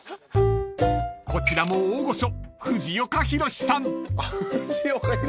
［こちらも大御所］